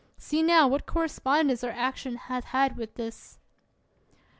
See now what correspondence our action hath had with this.